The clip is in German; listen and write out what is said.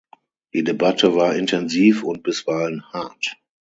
Die Debatte war intensiv und bisweilen hart.